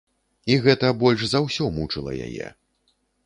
І гэта больш за ўсё мучыла яе.